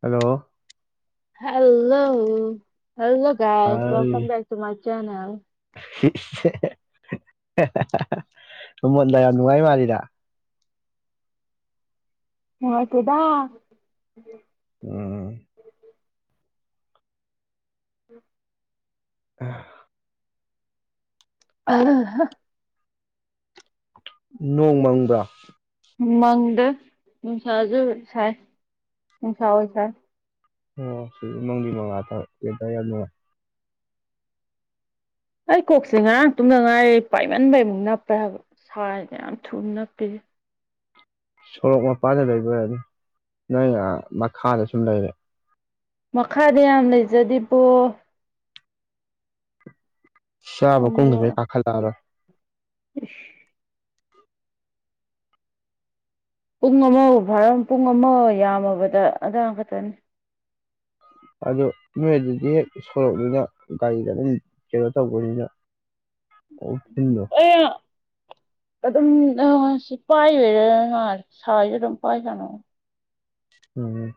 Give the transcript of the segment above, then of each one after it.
Hello hello hello guys welcome back to my channel. [unintelligible] ꯃꯣꯟꯗ ꯌꯥꯝ ꯅꯨꯡꯉꯥꯏ ꯃꯥꯜꯂꯤꯗ꯫ ꯅꯨꯡꯉꯥꯏꯇꯦꯗꯥ ꯎꯝ [inaudible] ꯑꯥ ꯑꯍ ꯍꯥ ꯅꯣꯡ ꯃꯪꯕ꯭ꯔꯥ ꯃꯪꯗꯦ ꯅꯨꯡꯁꯥꯖꯨ ꯁꯥꯏ ꯅꯨꯡꯁꯥ ꯑꯣꯏ ꯁꯥꯏ ꯑꯣ ꯁꯤꯗ ꯃꯪꯂꯤ ꯃꯪꯂꯥ ꯇꯧꯏ ꯋꯦꯗꯥꯔ ꯌꯥꯝ ꯅꯨꯡꯉꯥꯏ ꯑꯩ ꯀꯣꯛꯁꯦ ꯉꯔꯥꯡ ꯇꯨꯝꯗ ꯉꯥꯏꯔ ꯄꯥꯏꯃꯟꯕꯩꯃꯨꯛ ꯅꯞꯄꯦ ꯍꯥꯏꯕ ꯁꯥꯏꯁꯤ ꯌꯥꯝ ꯊꯨꯅ ꯅꯞꯄꯤꯁꯤ ꯁꯣꯔꯣꯛ ꯃꯄꯥꯥꯟꯗ ꯂꯩꯕꯩ ꯑꯣꯏꯔꯝꯅꯤ ꯅꯪꯅ ꯃꯈꯥꯗ ꯁꯨꯝ ꯂꯩꯔꯦ ꯃꯈꯥꯗ ꯌꯥꯝ ꯂꯩꯖꯗꯦꯕꯣ ꯆꯥꯕ ꯀꯨꯝꯒꯤꯗꯩ ꯀꯥꯈꯠꯂꯛꯑꯔꯣꯢ ꯏꯁ ꯄꯨꯡ ꯑꯃꯕꯨ ꯐꯥꯔꯝ ꯄꯨꯡ ꯑꯃ ꯌꯥꯝꯃꯕꯗ ꯑꯗꯥꯏꯃꯨꯛ ꯈꯥꯛꯇꯅꯤ ꯑꯗꯨ ꯅꯣꯏ ꯑꯗꯨꯗꯤ ꯍꯦꯛ ꯁꯣꯔꯣꯛꯅꯤꯅ ꯒꯥꯔꯤꯗ ꯑꯗꯨꯝ ꯀꯩꯅꯣ ꯇꯧꯕꯅꯤꯅ ꯎꯐꯨꯟꯗꯣ ꯑꯩꯌꯥ ꯑꯗꯨꯝ ꯑꯥ ꯁꯤ ꯄꯥꯏ ꯂꯩꯔꯦꯅ ꯁꯥꯏꯁꯤ ꯑꯗꯨꯝ ꯄꯥꯏ ꯁꯥꯟꯅꯕ ꯎꯝ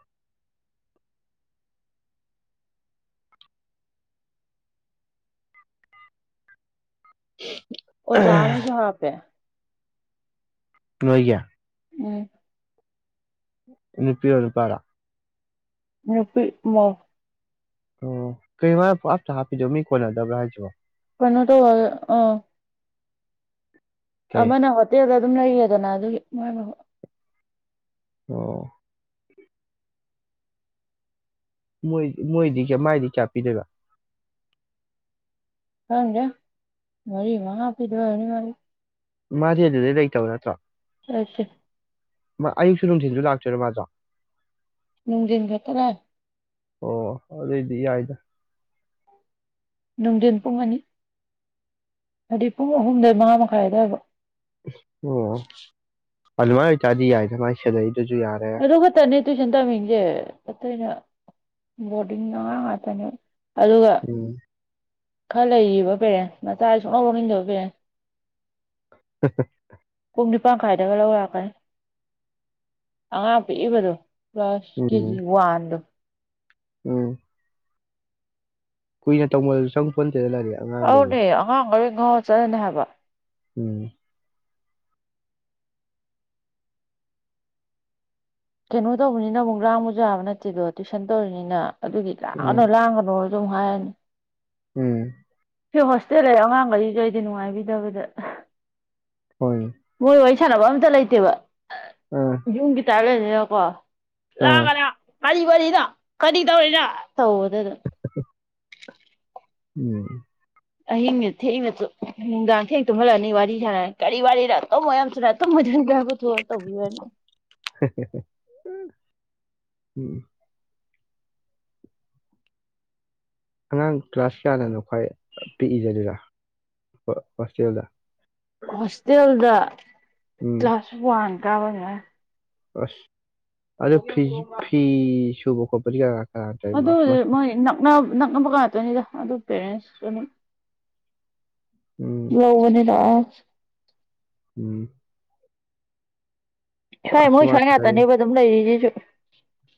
ꯑꯣꯖꯥ ꯑꯝꯖꯨ ꯍꯥꯞꯄꯦ꯫ ꯅꯣꯏꯒꯤ꯫ ꯎꯝ ꯅꯨꯄꯤꯔꯣ ꯅꯨꯄꯥꯔꯣ꯫ ꯅꯨꯄꯤ ꯃꯧ꯫ ꯑꯣ ꯀꯩꯅꫭ ꯃꯥꯅ ꯄꯨꯡꯍꯥꯞꯇ ꯍꯥꯞꯄꯤꯗꯣ ꯃꯤ ꯀꯣꯟꯅꯗꯕ꯭ꯔꯥ ꯍꯥꯏꯁꯤꯕꯣ꯫ ꯀꯟꯅꯇꯣ ꯑꯗꫭ ꯑ꯫ ꯀꯩ ꯑꯃꯅ ꯍꯣꯇꯦꯜꯗ ꯑꯗꯨꯝ ꯂꯩꯔꯦꯗꯅ ꯑꯗꯨꯒꯤ ꯃꯥꯏ ꯃꯍꯨꯠ꯫ ꯑꯣ꯫ ꯃꯣꯏ ꯃꯣꯏꯗꯤ ꯀꯌꯥ ꯃꯥꯏꯗꯤ ꯀꯌꯥ ꯄꯤꯗꯣꯏꯕ꯫ ꯈꯪꯗꯦ ꯃꯔꯤ ꯃꯉꯥ ꯄꯤꯗꯣꯏ ꯑꯣꯏꯔꯝꯅꯤ ꯃꯥꯒꯤ꯫ ꯃꯥꯗꯤ ꯑꯗꯨꯗ ꯂꯩꯇꯕ ꯅꯠꯇ꯭ꯔꯣ꯫ ꯂꯩꯇꯦ꯫ ꯃꯥ ꯑꯌꯨꯛꯁꯨ ꯅꯨꯡꯊꯤꯟꯁꯨ ꯂꯥꯛꯇꯣꯏꯔꯣ ꯃꯥꯖꯨ꯫ ꯅꯨꯡꯗꯤꯟ ꯈꯠꯇ ꯂꯥꯏ꯫ ꯑꯣ ꯑꯗꯨꯏꯗꯤ ꯌꯥꯏꯗ꯫ ꯅꯨꯡꯗꯤꯟ ꯄꯨꯡ ꯑꯅꯤ꯫ ꯍꯥꯏꯗꯤ ꯄꯨꯡ ꯑꯍꯨꯝꯗꯩ ꯃꯉꯥ ꯃꯈꯥꯏ ꯑꯗꯨꯋꯥꯏꯕꯧ꯫ ꯑꯣ ꯑꯗꯨꯃꯥꯏꯅ ꯑꯣꯏꯇꯥꯔꯗꯤ ꯌꯥꯏꯗ ꯃꯥꯏ ꯁꯦꯂꯔꯤꯗꯨꯁꯨ ꯌꯥꯔꯦ꯫ ꯑꯗꯨ ꯈꯛꯇꯅꯦ ꯇꯨꯏꯁꯟ ꯇꯝꯃꯤꯁꯦ ꯑꯇꯩꯅ ꯕꯣꯔꯗꯤꯡ ꯑꯉꯥꯡ ꯉꯥꯛꯇꯅꯦ꯫ ꯑꯗꯨꯒ ꯎꯝ ꯈꯔ ꯂꯩꯔꯤꯕ ꯄꯦꯔꯦꯟ ꯃꯆꯥ ꯁꯨꯡꯂꯧ ꯂꯧꯅꯤꯡꯗꯕ ꯄꯦꯔꯦꯟꯁ꯫ [unintelligible] ꯄꯨꯡ ꯅꯤꯄꯥꯟ ꯈꯥꯏꯗꯒ ꯂꯧꯂꯥꯛꯀꯅꯤ꯫ ꯑꯉꯥꯡ ꯄꯤꯛꯏꯕꯗꯨ ꯀ꯭ꯂꯥꯁ ꯀꯦꯖꯤ ꯎꯝ ꯋꯥꯟꯗꯣ꯫ ꯎꯝ ꯀꯨꯏꯅ ꯇꯧꯃꯜꯖꯨ ꯆꯪꯄꯣꯟꯇꯦꯗ ꯂꯥꯏꯔꯤꯛ꯫ ꯑꯉꯥꯡꯗꯗꯤ ꯑꯧꯅꯦ ꯑꯉꯥꯡ ꯒꯩ ꯉꯥꯎ ꯆꯠꯂꯅꯤ ꯍꯥꯏꯕ꯫ ꯎꯝ ꯀꯩꯅꯣ ꯇꯧꯕꯅꯤꯅ ꯑꯃꯨꯛ ꯂꯥꯡꯕꯁꯨ ꯌꯥꯕ ꯅꯠꯇꯦꯗꯣ ꯇꯨꯏꯁꯟ ꯇꯧꯔꯤꯅꯤꯅ ꯑꯗꯨꯒꯤ ꯎꯝ ꯂꯥꯡꯅ ꯂꯥꯡꯉꯅꯣ ꯗꯨꯝ ꯍꯥꯏꯔꯅꯤ꯫ ꯎꯝ ꯁꯤ ꯍꯣꯁꯇꯦꯜ ꯂꯩ ꯑꯉꯥꯡꯒꯩꯁꯤꯖꯨ ꯑꯩꯗꯤ ꯅꯨꯡꯉꯥꯏꯕꯤꯗꯕꯗ꯫ ꯍꯣꯏ꯫ ꯃꯣꯏ ꯋꯥꯔꯤ ꯁꯥꯟꯅꯕ ꯑꯝꯇ ꯂꯩꯇꯦꯕ꯫ ꯑꯥ꯫ ꯌꯨꯝꯒꯤ ꯇꯥꯏ ꯂꯩꯕꯅꯤꯅꯀꯣ꯫ ꯑꯥ ꯂꯥꯡꯒꯅꯣ ꯀꯔꯤ ꯋꯥꯔꯤꯅꯣ ꯀꯔꯤ ꯇꯧꯔꯤꯅꯣ ꯇꯧꯕꯗꯨꯗ꯫ ꯎꯝ ꯑꯍꯤꯡ ꯅꯦ ꯊꯦꯡꯅ ꯇꯨ ꯅꯨꯡꯗꯥꯡ ꯊꯦꯡ ꯇꯨꯝꯍꯜꯂꯅꯤ ꯋꯥꯔꯤ ꯁꯥꯔꯛꯑꯅꯤ ꯀꯔꯤ ꯋꯥꯔꯤꯔ ꯇꯨꯝꯃꯨ ꯌꯥꯝ ꯊꯨꯅ ꯇꯨꯝꯃꯨ [inaudible] ꯆꫭ [unintelligible] [unintelligible] ꯑꯉꯥꯡ ꯀ꯭ꯂꯥꯁ ꯀꯌꯥꯗꯅꯣ ꯈ꯭ꯋꯥꯏ ꯄꯤꯛꯏꯖꯦ ꯑꯗꯨꯗ ꯍꯣꯁꯇꯦꯜꯗ꯫ ꯍꯣꯁꯇꯦꯜꯗ ꯎꯝ ꯀ꯭ꯂꯥꯁ ꯋꯥꯟ ꯀꯥꯕ ꯉꯥꯡ꯫ ꯑꯁ ꯑꯗꯨ ꯐꯤ ꯐꯤ ꯁꯨꯕ ꯈꯣꯠꯄꯗꯤ ꯌꯥ ꯑꯗꯨꯕꯨꯗꯤ ꯃꯣꯏ ꯅꯛꯅꯥ ꯅꯛꯅꯕ ꯉꯥꯛꯇꯅꯤꯗ ꯑꯗꯨ ꯄꯦꯔꯦꯟꯁ ꯀꯥ ꯃꯣꯏ꯫ ꯎꯝ [unintelligible] ꯎꯝ ꯁ꯭ꯋꯥꯏ ꯑꯁ ꯃꯣꯏ ꯃꯥ ꯁ꯭ꯋꯥꯏ ꯉꯥꯛꯇꯅꯦꯕ ꯑꯗꯨꯝ ꯂꯩꯔꯤꯁꯤꯁꯨ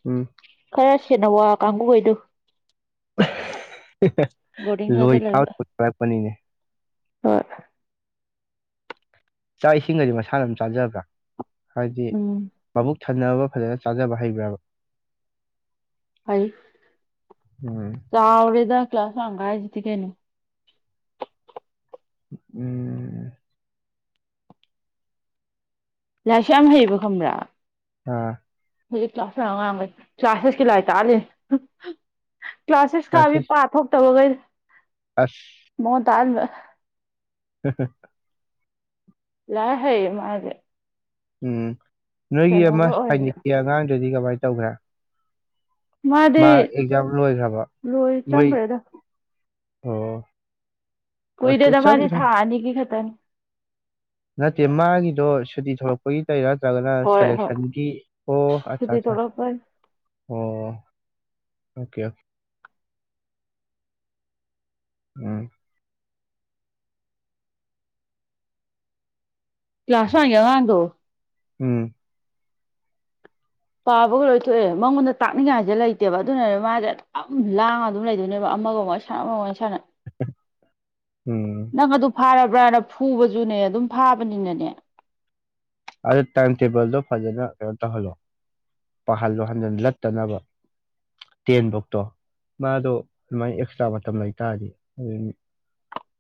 ꯎꯝ ꯈꯔ ꯁꯦꯟꯅꯥ ꯋꯥ ꯀꯥꯡꯕꯨꯈꯩꯗꯨ ꯑꯥ ꯍꯥ ꯍꯥ ꯕꯣꯔꯗꯤꯡ ꯂꯣꯏ ꯊꯥꯖꯤꯜꯂꯕ [unintelligible] ꯄꯅꯤꯅꯦ ꯍꯣꯏ ꯆꯥꯛ ꯏꯁꯤꯡꯒꯗꯤ ꯃꯁꯥꯅ ꯑꯗꯨꯝ ꯆꯥꯖꯕ꯭ꯔꯥ ꯍꯥꯏꯗꯤ ꯎꯝ ꯃꯥꯕꯨꯛ ꯊꯟꯅꯕ ꯐꯖꯅ ꯆꯥꯖꯕ ꯍꯩꯕ꯭ꯔꯥꯕ ꯍꯩ ꯎꯝ ꯆꯥꯎꯔꯦꯗ ꯀ꯭ꯂꯥꯁ ꯋꯥꯟ ꯀꯥꯔꯤꯁꯤꯗꯤ ꯀꯩꯅꯣ ꯎꯝ ꯂꯥꯏꯔꯤꯛꯁꯨ ꯌꯥꯝ ꯍꯩꯌꯦꯕ ꯈꯪꯕ꯭ꯔꯥ ꯑꯥ ꯍꯧꯖꯤꯛ ꯀ꯭ꯂꯥꯁ ꯋꯥꯟ ꯑꯉꯥꯡ ꯑꯃ ꯂꯩ ꯀ꯭ꯂꯥꯁ ꯁꯤꯛꯁꯀꯤ ꯂꯥꯏꯔꯤꯛ ꯇꯥꯛꯍꯜꯂꯤ ꯀ꯭ꯂꯥꯁ ꯁꯤꯛꯁ ꯀꯥꯕꯤ ꯄꯥ ꯊꯣꯛꯇꯕꯈꯩꯗ ꯑꯥꯁ ꯃꯉꯣꯟ ꯇꯥꯛꯍꯟꯕꯥ ꯍꯥ ꯍꯥ ꯂꯥꯏꯔꯤꯛ ꯍꯩꯌꯦ ꯃꯥꯗꯤ ꯎꯝ ꯅꯣꯏꯒꯤ ꯑꯃꯥ ꯀꯩꯅꯣꯒ ꯑꯣꯏꯕꯗ ꯁꯥꯏꯅꯤꯛꯀꯤ ꯑꯉꯥꯡꯗꯨꯗꯤ ꯀꯃꯥꯏꯅ ꯇꯧꯒ꯭ꯔꯦ ꯃꯥꯗꯤ ꯃꯥ ꯑꯦꯛꯖꯥꯝ ꯂꯣꯏꯈ꯭ꯔꯕ ꯂꯣꯏ ꯃꯣꯏ ꯆꯪꯈ꯭ꯔꯦꯗ ꯑꯣ ꯑꯣ ꯀꯨꯏꯗꯦꯗ ꯆ- ꯃꯥꯗꯤ ꯆꯪꯈ꯭ꯔꯦ ꯊꯥ ꯑꯅꯤꯒꯤ ꯈꯛꯇꯅꯤ ꯅꯠꯇꯦ ꯃꯥꯒꯤꯗꯣ ꯁꯨꯇꯤ ꯊꯣꯛꯂꯛ ꯒꯤ ꯇꯧꯔꯤꯔꯥ ꯅꯠꯇꯔꯒꯅ ꯍꯣꯏ ꯍꯣꯏ ꯁꯦꯂꯦꯛꯁꯟꯒꯤ ꯑꯣ ꯑꯆꯥ ꯁꯨꯇꯤ ꯑꯆꯥ ꯊꯣꯛꯂꯛꯄꯩ ꯑꯣ ꯑꯣꯀꯦ ꯑꯣꯀ ꯎꯝ ꯀ꯭ꯂꯥꯁ ꯋꯥꯟꯒꯤ ꯑꯉꯥꯡꯗꯣ ꯎꯝ ꯄꯥꯕꯒ ꯂꯣꯏ ꯊꯣꯛꯑꯦ ꯃꯉꯣꯟꯗ ꯇꯥꯛꯅꯤꯡꯉꯥꯏꯁꯦ ꯂꯩꯇꯦꯕ ꯑꯗꯨꯅꯅꯦ ꯃꯥꯁꯦ ꯑꯗꯨꯝ ꯂꯥꯡꯉ ꯑꯗꯨꯝ ꯂꯩꯗꯣꯏꯅꯦꯕ ꯑꯃꯒ ꯑꯃꯨꯛ ꯋꯥꯔꯤ ꯁꯥꯟ ꯑꯃꯒꯥ ꯋꯥꯔꯤ ꯁꯥꯟꯅꯥ ꯎꯨꯝ ꯅꯪ ꯑꯗꯨ ꯐꯥꯔꯕ꯭ꯔꯥꯅ ꯐꯨꯕꯁꯨꯅꯦ ꯑꯗꯨꯝ ꯐꯥꯕꯅꯤꯅꯅꯦ ꯑꯗꯨ ꯇꯥꯏꯝ ꯇꯦꯕꯜꯗꯣ ꯐꯖꯅ ꯀꯩꯅꯣ ꯇꯧꯍꯜꯂꯣ ꯄꯥꯍꯜꯂꯣ ꯍꯟꯖꯤꯟ ꯂꯠꯇꯅꯕ ꯇꯦꯟꯚꯣꯛꯇꯣ ꯃꯥꯗꯣ ꯑꯗꯨꯃꯥꯏꯅ ꯑꯦꯛꯁꯇ꯭ꯔꯥ ꯃꯇꯝ ꯂꯩꯇꯥꯥꯔꯗꯤ ꯑꯗꯨꯝ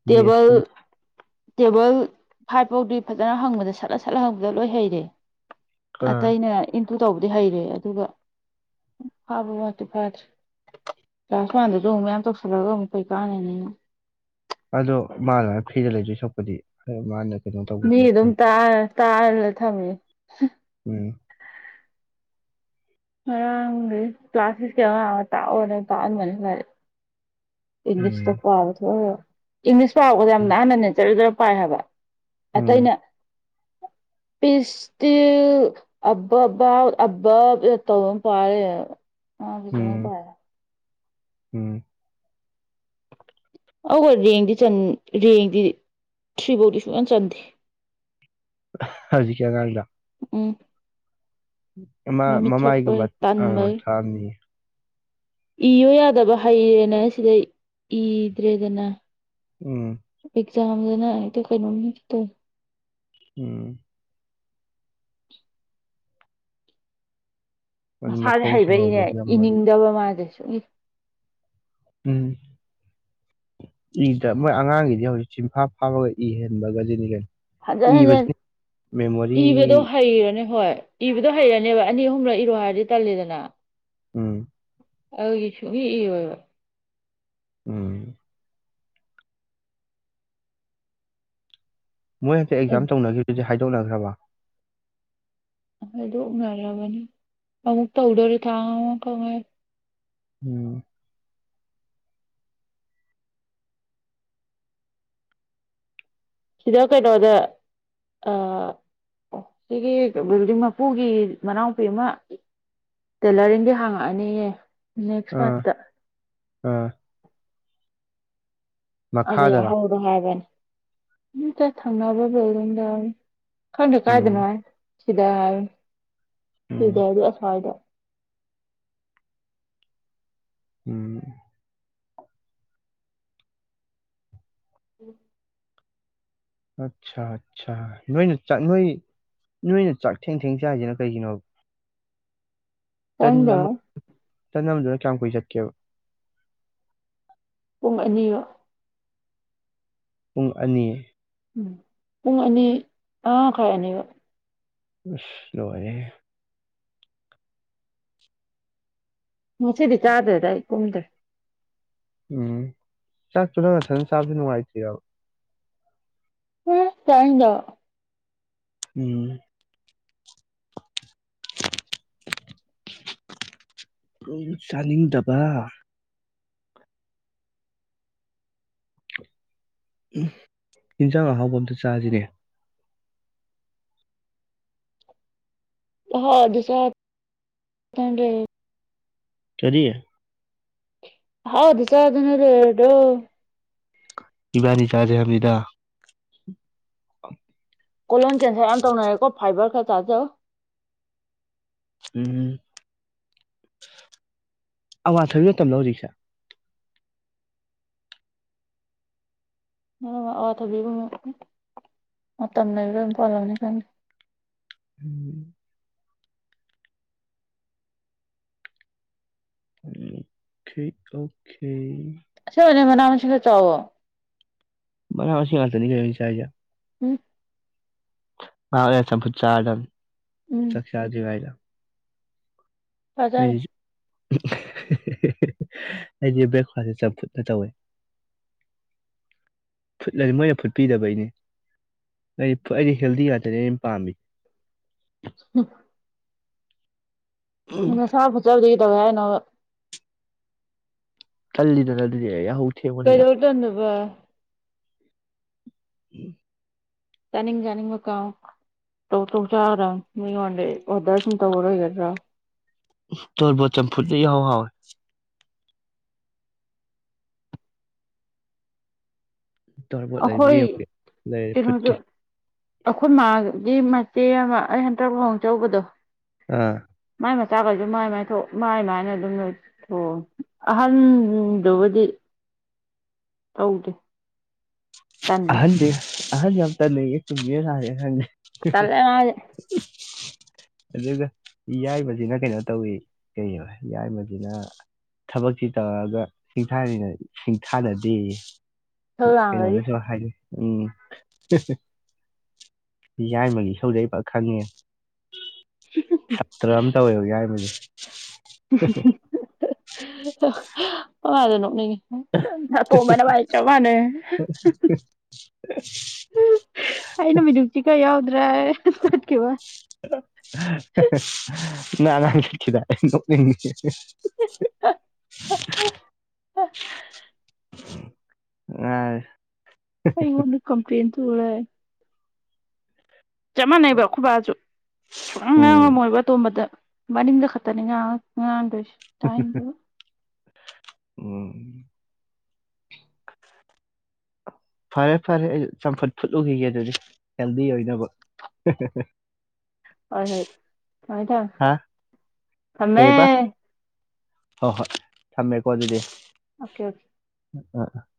ꯇꯦꯕꯜ ꯇꯦꯕꯜ ꯐꯥꯏꯚ ꯐꯥꯎꯗꯤ ꯐꯖꯅ ꯍꯪꯕꯗ ꯁꯠꯂꯥ ꯁꯠꯂꯥ ꯍꯪꯕꯗ ꯂꯣꯏ ꯍꯩꯔꯦ ꯑꯇꯩꯅ ꯏꯟꯇꯨ ꯇꯧꯕꯗꯤ ꯍꯩꯔꯦ ꯑꯗꯨꯒ ꯐꯥꯕ ꯋꯥꯠꯇꯤ ꯐꯥꯗ꯭ꯔꯤ ꯀ꯭ꯂꯥꯁ ꯋꯥꯟꯗꯁꯨ ꯑꯃꯨꯛ ꯃꯌꯥꯝ ꯇꯧꯁꯜꯂꯒ ꯑꯃꯨꯛ ꯀꯩ ꯀꯥꯟꯅꯅꯤꯅ ꯑꯗꯣ ꯃꯥ ꯑꯗꯨꯃꯥꯏꯅꯥ ꯐ꯭ꯔꯤꯗ ꯂꯩꯗꯣꯏ ꯁꯔꯨꯛꯄꯨꯗꯤ [unintelligible] ꯃꯤ ꯑꯗꯨꯝ ꯐꯩ ꯇꯥ ꯇꯥꯔꯂ ꯊꯝꯃꯦ ꯎꯝ ꯉꯔꯥꯡꯗꯒꯤ ꯀ꯭ꯂꯥꯁ ꯁꯤꯛꯀꯤ ꯑꯉꯥꯡ ꯑꯃ ꯇꯥꯛꯑꯣꯅ ꯇꯥꯛꯍꯟꯕꯅꯤ ꯂꯥꯏꯔꯤꯛ ꯏꯪꯂꯤꯁꯇꯣ ꯎꯝ ꯄꯥꯕ ꯊꯣꯛꯑꯦꯕ ꯏꯪꯂꯤꯁ ꯄꯥꯕ ꯌꯥꯝ ꯂꯥꯏꯅꯅꯦ ꯖꯥꯔꯥ ꯖꯥꯔꯥ ꯄꯥꯏ ꯍꯥꯏꯕ ꯎꯝ ꯑꯇꯩꯅ ꯢꯁ ꯏꯁꯇꯤꯜ [unintelligible] [unintelligible] [unintelligible] ꯇꯧꯕ ꯑꯃ ꯄꯥ ꯂꯩꯔꯦ ꯎꯝ [unintelligible] ꯎꯝ ꯑ ꯍꯣꯢ ꯔꯦꯡꯗꯤ ꯔꯦꯡꯗꯤ ꯊ꯭ꯔꯤꯐꯧꯗꯤ ꯁꯨꯡꯆꯥꯟ ꯆꯥꯟꯗꯦ ꯍꯧꯖꯤꯛꯀꯤ ꯑꯉꯥꯡꯗꯣ ꯎꯝ ꯑꯃ ꯃꯃꯤꯠ ꯊꯛꯄꯩ ꯃꯃꯥꯏꯒꯨꯝꯕ ꯑꯥ ꯇꯟꯕꯩ ꯊꯥꯝꯅꯤꯌꯦ ꯏꯌꯣ ꯌꯥꯗꯕ ꯍꯩꯔꯦꯅ ꯁꯤꯗꯩ ꯏꯗ꯭ꯔꯦꯗꯅ ꯎꯝ ꯑꯦꯛꯖꯥꯝꯗꯅ ꯍꯦꯛꯇ ꯀꯩꯅꯣꯝ ꯇꯧꯕ ꯎꯝ ꯑꯗꯨ ꯃꯁꯥꯥꯁꯦ ꯃꯈꯣꯡ ꯍꯩꯕꯩꯅꯦ ꯁꯦꯡꯍꯧꯕꯗꯤ ꯌꯥꯝ ꯃꯔꯨ ꯏꯅꯤꯡꯗꯕ ꯃꯥꯁꯦ ꯁꯨꯡꯢ ꯎꯝ ꯏꯗ ꯃꯣꯏ ꯑꯉꯥꯡꯒꯤꯗꯤ ꯍꯧꯖꯤꯛ ꯁꯤꯟꯐꯥ ꯐꯥꯔꯒ ꯢꯍꯦꯟꯕꯒꯁꯤꯅꯤ ꯀꯩꯅꯣ ꯍꯟꯖꯟ ꯍꯟꯖꯟ ꯏꯕꯁꯤ ꯃꯦꯃꯣꯔꯤ ꯏꯕꯗꯣ ꯍꯩꯔꯅꯤ ꯍꯣꯏ ꯏꯕꯗꯣ ꯍꯩꯔꯅꯦꯕ ꯑꯅꯤ ꯑꯍꯨꯝꯂꯛ ꯏꯔꯣ ꯍꯥꯏꯔꯗꯤ ꯇꯜꯂꯤꯗꯅ ꯎꯝ ꯑꯗꯨꯒꯤ ꯁꯨꯡꯢ ꯢꯔꯣꯢꯕ ꯎꯝ ꯃꯣꯏ ꯍꯥꯟꯗꯥꯛ ꯑꯦꯛꯖꯥꯝ ꯇꯧꯅꯈꯤꯕꯗꯨꯗꯤ ꯍꯥꯏꯗꯣꯛꯅꯈ꯭ꯔꯕ ꯍꯥꯏꯗꯣꯛ ꯅꯔꯕꯅꯤ ꯑꯃꯨꯛ ꯇꯧꯗꯣꯔꯦ ꯊꯥ ꯑꯃꯈꯪ ꯉꯥꯢꯔꯦ ꯎꯝ ꯁꯤꯗ ꯀꯩꯅꯣꯗ ꯑ ꯑꯣ ꯁꯤꯒꯤ ꯕꯤꯜꯗꯤꯡ ꯃꯄꯨꯒꯤ ꯃꯅꯥꯎꯄꯤ ꯑꯃ ꯇꯦꯂꯔꯤꯡꯗꯤ ꯍꯥꯡꯉꯛꯑꯅꯤꯌꯦ ꯅꯦꯛꯁ ꯑꯥ ꯃꯥꯟꯠꯇ ꯑꯥ ꯑꯗꯨꯗ ꯃꯈꯥꯗꯔꯥ ꯌꯥꯎꯍꯧꯔꯣ ꯍꯥꯏꯕꯅꯤ ꯅꯠꯇꯦ ꯊꯪꯅꯕ ꯕꯤꯜꯗꯤꯡꯗ ꯈꯪꯗꯦ ꯎꯝ ꯀꯥꯏꯗꯅꯣ ꯍꯥꯏ ꯁꯤꯗ ꯍꯥꯏ ꯎꯝ ꯁꯤꯗ ꯍꯥꯏꯗꯤ ꯑꯁꯨꯋꯥꯏꯗ ꯎꯝ ꯎꯝ ꯑꯠꯆꯥ ꯑꯠꯆꯥ ꯅꯣꯏꯅ ꯅꯣꯏ ꯅꯣꯏꯅ ꯆꯥꯛ ꯊꯦꯡ ꯊꯦꯡ ꯆꯥꯏꯁꯤꯅ ꯀꯩꯒꯤꯅꯣꯕ ꯇꯟ ꯑꯃ ꯆꯪꯗꯔꯣꯏ ꯇꯟ ꯑꯃꯗꯨꯅ ꯀꯌꯥꯝ ꯀꯨꯏ ꯆꯠꯀꯦꯕ ꯄꯨꯡ ꯑꯅꯤ ꯄꯨꯡ ꯑꯅꯤ ꯎꯝ ꯄꯨꯡ ꯑꯅꯤ ꯑꯃ ꯃꯈꯥꯏ ꯑꯅꯤꯕ ꯢꯁ ꯂꯣꯢꯔꯦꯍꯦ ꯉꯁꯤꯗꯤ ꯆꯥꯗ꯭ꯔꯦꯗ ꯑꯩ ꯀꯨꯝꯗ꯭ꯔꯦ ꯎꯝ ꯆꯥꯛꯇꯨ ꯅꯪ ꯅꯊꯥꯟ ꯆꯥꯕꯁꯨ ꯅꯨꯡꯉꯥꯏꯇ꯭ꯔꯤꯔꯥꯕ ꯎꯝ ꯆꯥꯅꯤꯡꯗꯕ ꯎꯝ ꯨꯑꯗꯨꯒꯤ ꯆꯥꯅꯤꯡꯗꯕ ꯌꯦꯟꯖꯥꯡ ꯑꯍꯥꯎꯕ ꯑꯝꯇ ꯆꯥꯁꯤꯅꯦ [unintelligible] ꯍꯥꯎ ꯁꯥꯦ [unintelligible] ꯀꯔꯤ ꯍꯥꯎꯗ ꯆ ꯑꯗꯅ ꯂꯦꯔꯗ꯭ꯔꯣ ꯏꯕꯥꯅꯤ ꯆꯥꯥꯖꯦ ꯍ꯭ꯥꯏꯝꯅꯤꯗ ꯀꯣꯂꯣꯟ ꯀꯦꯟꯁꯔ ꯌꯥꯝ ꯇꯧꯅꯔꯦꯀꯣ ꯐꯥꯏꯕꯔ ꯈꯔ ꯆꯥꯖꯎ ꯎꯝ ꯑꯋꯥꯊꯕꯤ ꯃꯇꯝ ꯂꯣ ꯍꯧꯖꯤꯛꯁꯦ ꯑꯋꯥꯊꯕꯤꯕꯨ ꯃꯇꯝ ꯂꯩꯕꯔ ꯑꯗꯨꯝ ꯄꯥꯜꯂꯝꯅꯤ ꯀꯩꯅꯣ [inaudible] [unintelligible] ꯑꯣꯀꯦ ꯑꯁꯦꯕꯅꯦ ꯃꯅꯥ ꯃꯁꯤꯡ ꯈꯔ ꯆꯥꯎꯑꯣ ꯃꯅ ꯃꯁꯤꯡ ꯉꯛꯇꯅꯤ ꯀꯩꯅꯣ ꯑꯩ ꯆꯥꯏꯖꯦ ꯎꯝ [unintelligible] ꯆꯝꯐꯨꯠ ꯆꯔꯥꯗꯝꯅꯤ ꯎꯝ ꯆꯥꯛ ꯆꯗꯔꯤꯉꯩꯗ ꯆꯥꯖꯔꯤ ꯑꯩꯗꯤ ꯑꯩꯗꯤ ꯕ꯭ꯔꯦꯛꯐꯥꯁꯁꯦ ꯆꯝꯐꯨꯠꯅ ꯇꯧꯋꯦ ꯐꯨꯠꯂꯅꯤ ꯃꯣꯏꯅ ꯐꯨꯠꯄꯤꯗꯕꯩꯅꯦ ꯑꯩ ꯑꯩꯗꯤ ꯍꯦꯜꯗꯤ ꯉꯥꯛꯇꯅꯦ ꯑꯩ ꯄꯥꯝꯃꯤ ꯎꯝ ꯎꯝ, ꯅꯁꯥ ꯐꯨꯠꯆꯕꯗꯒꯤ ꯀꯩꯗꯧꯌꯦ ꯍꯥꯏꯅꯣꯕ ꯇꯜꯂꯤꯗꯅ ꯑꯗꯨꯗꯤ ꯌꯥꯍꯧ ꯊꯦꯡꯕꯅꯤꯅ ꯀꯩꯗꯧ ꯇꯟꯗꯣꯕ [inaudible] ꯆꯅꯤꯡ ꯆꯅꯤꯡꯕ ꯀꯥꯎ ꯇꯧ ꯇꯧ ꯆꯥꯒꯗꯝꯅꯤ ꯃꯤꯉꯣꯟꯗ ꯑꯣꯗꯔ ꯁꯨꯝ ꯇꯧꯂꯩꯒꯗ꯭ꯔꯣ ꯇꯣꯔꯕꯣꯠ ꯆꯝꯐꯨꯠꯅ ꯏꯍꯥꯎ ꯍꯥꯎꯉꯤ ꯇꯣꯔꯕꯣꯠ ꯂꯩꯕ꯭ꯔꯥ ꯑꯩꯈꯣꯏ ꯌꯦꯡꯎꯒꯦ ꯂꯩꯔ ꯐꯨꯠꯀꯤ ꯑꯈꯣꯏ ꯃꯥꯒꯤ ꯃꯆꯦ ꯑꯃ ꯑꯩ ꯍꯟꯇꯛ ꯂꯨꯍꯣꯡ ꯆꯎꯕꯗꯣ ꯑꯥ ꯃꯥꯏ ꯃꯆꯥꯒꯩꯗꯣ ꯃꯥꯏ ꯃꯥꯏ ꯊꯣꯛ ꯃꯥꯏ ꯃꯏꯅ ꯑꯗꯨꯝ ꯂꯩ ꯑꯣ ꯑꯍꯟꯗꯨꯕꯨꯗꯤ ꯇꯧꯗꯦ ꯇꯜꯂꯤ ꯑꯍꯟꯗꯤ ꯑꯍꯟ ꯌꯥꯝ ꯇꯟꯂꯦꯌꯦ ꯆꯨꯝꯃꯤꯔ ꯂꯟꯂꯤꯔ ꯈꯪꯗꯦ ꯇꯟꯂꯦ [unintelligible] ꯑꯗꯨꯒ ꯌꯥꯏꯃꯖꯤꯅ ꯀꯩꯅꯣ ꯇꯧꯋꯦ ꯀꯩꯕ ꯌꯥꯏꯃꯖꯤꯅ ꯊꯕꯛꯇꯤ ꯇꯧꯔꯒ ꯁꯤꯡꯊꯥꯅꯤꯡꯅ ꯁꯤꯡꯊꯥꯅꯗꯦꯌꯦ ꯏꯁꯧ ꯂꯥꯡꯕꯒꯤ ꯀꯩꯅꯣꯗꯁꯨ ꯍꯥꯏꯒꯦ ꯎꯝ ꯌꯥꯏꯃꯒꯤ ꯏꯁꯧꯖꯦ ꯑꯩ ꯐ ꯈꯡꯉꯦꯍꯦ ꯁꯥꯇ꯭ꯔ ꯑꯃ ꯇꯧꯋꯦꯕ ꯌꯥꯏꯃꯖꯦ ꯅꯣꯛꯅꯤꯡꯉꯤ ꯑꯇꯣꯝꯕ ꯅꯕꯅꯤ ꯆꯞ ꯃꯟꯅꯔꯦ ꯑꯩꯅ ꯃꯤꯅꯨꯡꯁꯤ ꯈꯥ ꯌꯥꯎꯗ꯭ꯔ ꯆꯠꯈꯤꯕꯋꯅꯦ [inaudible] ꯅꯔꯡꯈꯤꯗ ꯑꯩ ꯅꯣꯛꯅꯤꯡꯉꯤ [unintelligible] ꯉꯥꯢ ꯑꯩꯉꯣꯟꯗ ꯀꯝꯄ꯭ꯂꯦꯟ ꯇꯧ ꯂꯦ ꯆꯞ ꯃꯥꯟꯅꯩꯕ ꯑꯈꯣꯏꯕꯖꯨ ꯁꯨꯉꯥꯡ ꯎꯝ ꯉꯥꯡꯉꯝꯃꯣꯏꯕ ꯑꯇꯣꯝꯕꯗ ꯃꯅꯤꯡꯗ ꯈꯠꯇꯅꯤ ꯉꯥꯡ ꯉꯥꯡꯗꯣꯏꯁꯦ ꯍꯥ ꯍꯥ ꯍꯥ ꯇꯥꯅꯤꯡꯗꯕ ꯎꯝ [inaudible] ꯐꯔꯦ ꯐꯔꯦ ꯑꯩ ꯆꯝꯐꯨꯠ ꯐꯨꯠꯂꯨꯈꯤꯒꯦ ꯑꯗꯨꯗꯤ ꯍꯦꯜꯗꯤ ꯑꯣꯏꯅꯕ ꯍꯣꯏ ꯍꯣꯏ ꯊꯝꯃꯦ ꯍꯥ ꯊꯝꯃꯦ ꯀꯩꯍꯕ ꯍꯣꯏ ꯍꯣꯏ ꯊꯝꯃꯦꯀꯣ ꯑꯗꯨꯗꯤ ꯑꯣꯀꯦ ꯑꯣꯀꯦ [unintelligible]